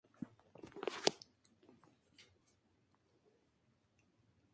Se desempeñaba tanto en la posición de defensa central como en la de lateral.